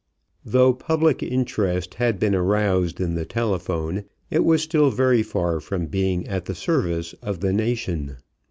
Through public interest had been aroused in the telephone, it was still very far from being at the service of the nation.